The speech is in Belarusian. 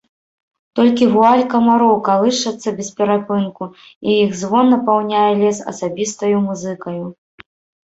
Толькі вуаль камароў калышацца без перапынку, і іх звон напаўняе лес асабістаю музыкаю.